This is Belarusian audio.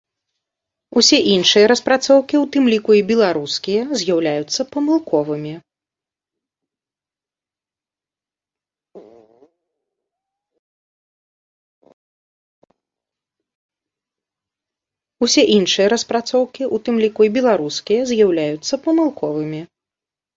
Усе іншыя распрацоўкі, у тым ліку і беларускія, з'яўляюцца памылковымі.